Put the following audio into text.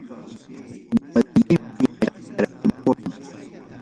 Compadrellaymi macharachimuwan.